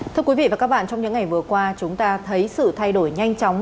thưa quý vị và các bạn trong những ngày vừa qua chúng ta thấy sự thay đổi nhanh chóng